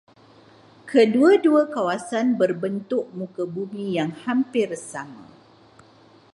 Kedua-dua kawasan berbentuk muka bumi yang hampir sama.